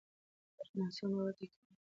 پر ناسم باور تکیه مه کوئ.